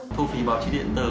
thu phí báo chí điện tử